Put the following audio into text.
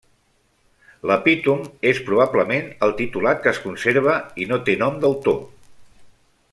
L'epítom és probablement el titulat que es conserva i no té nom d'autor.